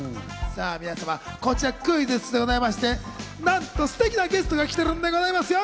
皆様、こちらクイズッスでございまして、なんとすてきなゲストが来てるんでございますよ。